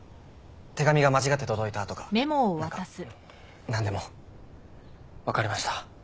手紙が間違って届いたとか何か何でも。分かりました。